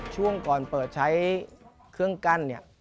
ช่วงก่อนเปิดใช้เครื่องกั้นเนี่ย